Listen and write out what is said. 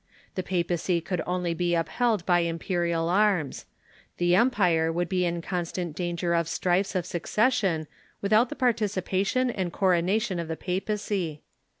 The papacy could only be upheld by imperial arms. The empire would be in constant danger of strifes of succession without the participation and coronation of the papacy.